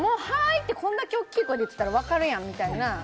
ってこんだけ大きい声で言ってたら分かるやんみたいな。